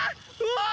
うわ！